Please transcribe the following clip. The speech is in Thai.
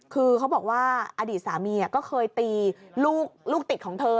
คือเขาบอกว่าอดีตสามีก็เคยตีลูกติดของเธอ